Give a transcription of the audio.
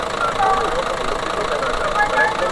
زه قاسم یار چي تل ډېوه ستایمه,